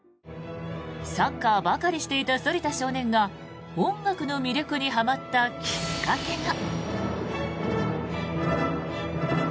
サッカーばかりしていた反田少年が音楽の魅力にはまったきっかけが。